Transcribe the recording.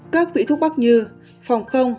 các vị thuốc bắc như phòng không